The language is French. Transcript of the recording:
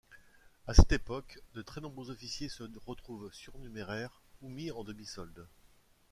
À cette époque de très nombreux officiers se retrouvent surnuméraires, ou mis en demi-solde.